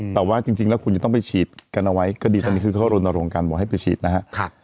แต่ว่าจริงแล้วคุณจะต้องไปฉีดกันเอาไว้ก็ดีตอนนี้คือเขารณรงค์กันบอกให้ไปฉีดนะครับ